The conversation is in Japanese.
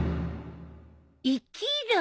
「生きる」？